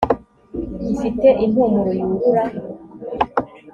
gifite impumuro yurura